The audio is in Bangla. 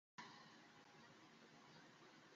এই ভুলের জন্য ক্ষমা করে দিবেন।